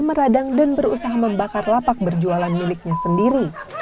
meradang dan berusaha membakar lapak berjualan miliknya sendiri